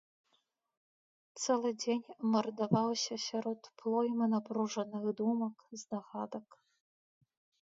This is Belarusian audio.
Цэлы дзень мардаваўся сярод плоймы напружаных думак, здагадак.